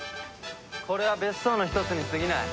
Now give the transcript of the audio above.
これは別荘の一つにすぎない。